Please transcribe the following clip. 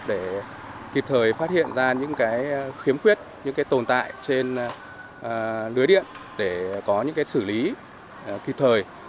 để kịp thời phát hiện ra những khiếm khuyết những tồn tại trên lưới điện để có những xử lý kịp thời